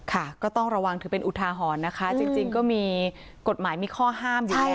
ก็ต้องระวังถือเป็นอุทาหรณ์นะคะจริงก็มีกฎหมายมีข้อห้ามอยู่แล้ว